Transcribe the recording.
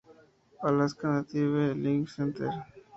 Alaska Native Language Center.